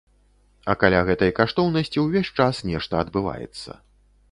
А каля гэтай каштоўнасці ўвесь час нешта адбываецца.